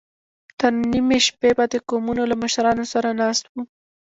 تر نيمې شپې به د قومونو له مشرانو سره ناست و.